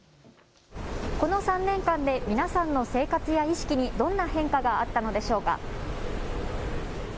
この３年間で皆さんの生活や意識にどんな変化があったのでしょうか。